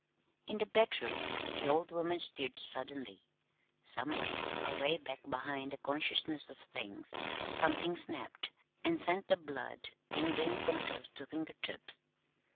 In the bedroom the old woman stirred suddenly. Somewhere, away back behind the consciousness of things, something snapped, and sent the blood tingling from toes to fingertips.